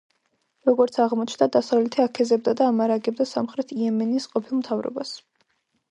როგორც აღმოჩნდა, დასავლეთი აქეზებდა და ამარაგებდა სამხრეთ იემენის ყოფილ მთავრობას.